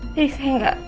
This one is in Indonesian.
jadi saya enggak